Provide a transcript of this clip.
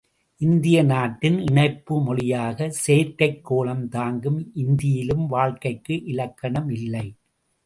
இந்திய நாட்டின் இணைப்பு மொழியாக செயற்கைக் கோலம் தாங்கும் இந்தியிலும் வாழ்க்கைக்கு இலக்கணமில்லை.